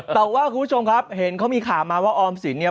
แต่ว่าคุณผู้ชมครับเห็นเขามีข่าวมาว่าออมสินเนี่ย